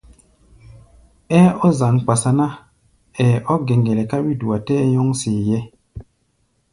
Ɛ́ɛ́ ɔ́ zaŋ-kpasa ná, ɛ́ɛ́ ɔ́ gɛŋgɛlɛ ká wí-dua tɛ́ɛ nyɔ́ŋ see-ɛ́ɛ́.